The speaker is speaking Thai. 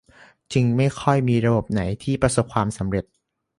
จึงไม่ค่อยมีระบบไหนที่ประสบความสำเร็จ